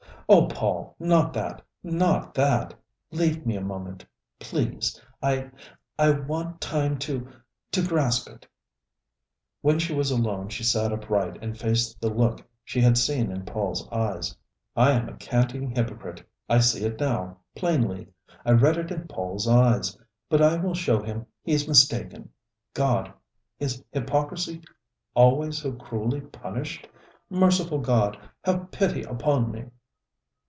"Oh, Paul, not that, not that! Leave me a moment, please. I I want time to to grasp it." When she was alone she sat upright and faced the look she had seen in Paul's eyes. "I am a canting hypocrite. I see it now, plainly. I read it in Paul's eyes. But I will show him he's mistaken. God! is hypocrisy always so cruelly punished? Merciful God, have pity upon me!"